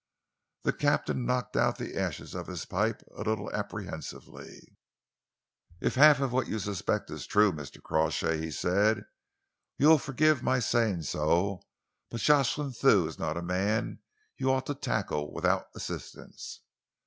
The captain knocked out the ashes of his pipe a little apprehensively. "If half what you suspect is true, Mr. Crawshay," he said, "you will forgive my saying so, but Jocelyn Thew is not a man you ought to tackle without assistance."